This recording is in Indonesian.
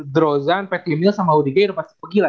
drozan pat emil sama udg udah pasti pergi lah